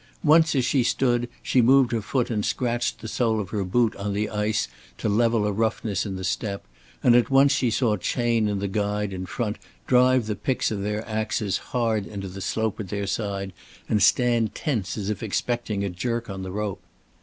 Once as she stood, she moved her foot and scratched the sole of her boot on the ice to level a roughness in the step, and at once she saw Chayne and the guide in front drive the picks of their axes hard into the slope at their side and stand tense as if expecting a jerk upon the rope.